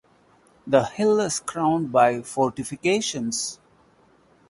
The hill is crowned by fortifications.